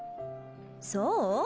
そう？